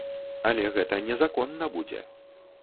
Але гэта незаконна будзе.